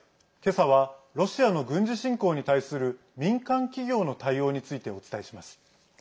けさはロシアの軍事侵攻に対する民間企業の対応についてお伝えします。